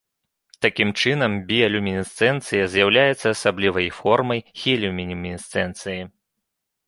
Такім чынам, біялюмінесцэнцыя з'яўляецца асаблівай формай хемілюмінесцэнцыі.